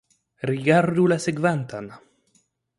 Rigardu la sekvantan.